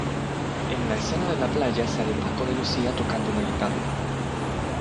En la escena de la playa sale Paco de Lucía tocando la guitarra.